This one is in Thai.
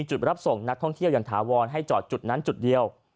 จุดรับส่งนักท่องเที่ยวอย่างถาวรให้จอดจุดนั้นจุดเดียว